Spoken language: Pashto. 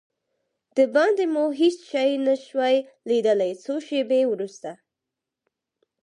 دباندې مو هېڅ شی نه شوای لیدلای، څو شېبې وروسته.